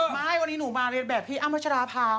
ไม่วันนี้หนูมาเรียนแบบพี่อ้ำพัชราภา